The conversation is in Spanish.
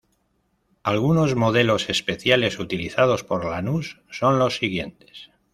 Algunos modelos especiales utilizados por Lanús son los siguientes.